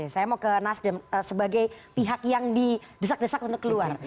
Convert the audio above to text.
saya mau ke nasdun sebagai pihak yang di desak desak untuk keluar